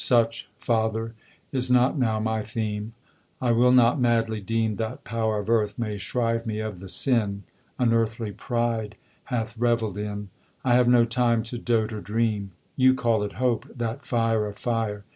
Such, father, is not (now) my theme I will not madly deem that power Of Earth may shrive me of the sin Unearthly pride hath revell'd in I have no time to dote or dream: You call it hope that fire of fire!